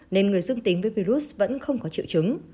nên người dương tính với virus vẫn không có triệu chứng